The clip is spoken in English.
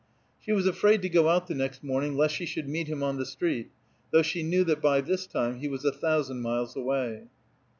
She was afraid to go out the next morning, lest she should meet him on the street, though she knew that by this time he was a thousand miles away.